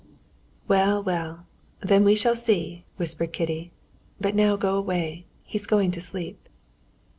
"Well, well; then we shall see," whispered Kitty. "But now go away, he's going to sleep."